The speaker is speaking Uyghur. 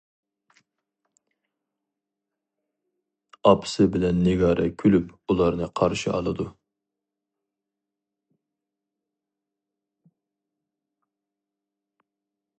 ئاپىسى بىلەن نىگارە كۈلۈپ ئۇلارنى قارشى ئالىدۇ.